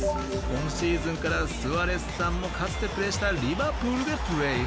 今シーズンからスアレスさんもかつてプレーしたリヴァプールでプレー。